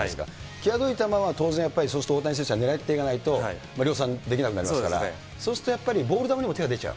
際どい球は当然そうすると大谷選手は狙っていかないと、量産できなくなりますから、そうするとやっぱりボール球にも手が出ちゃう？